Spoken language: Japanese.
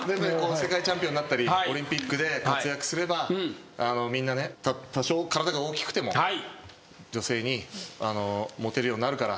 世界チャンピオンになったりオリンピックで活躍すればみんな多少体が大きくても女性にモテるようになるから。